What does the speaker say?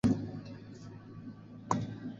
utakaofanyika ndani ya miezi sita kutoka sasa